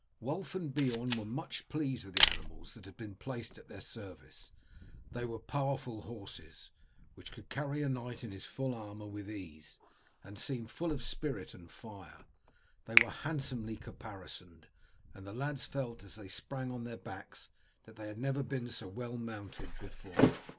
Wulf and Beorn were much pleased with the animals that had been placed at their service. They were powerful horses, which could carry a knight in his full armour with ease, and seemed full of spirit and fire. They were handsomely caparisoned, and the lads felt as they sprang on to their backs that they had never been so well mounted before.